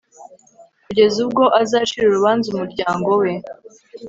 kugeza ubwo azacira urubanza umuryango we